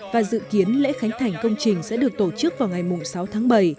và dự kiến lễ khánh thành công trình sẽ được tổ chức vào ngày sáu tháng bảy